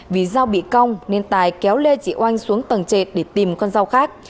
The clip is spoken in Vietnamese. vì do bị cong nên tài kéo lê chị oanh xuống tầng trệt để tìm con dao khác